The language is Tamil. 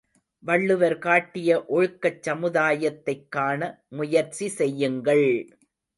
வள்ளுவர் காட்டிய ஒழுக்கச் சமுதாயத்தைக் காண முயற்சி செய்யுங்கள்!